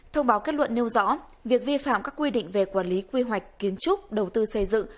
thông báo kết luận nêu rõ việc vi phạm các quy định về quản lý quy hoạch kiến trúc đầu tư xây dựng